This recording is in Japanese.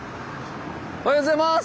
おはようございます！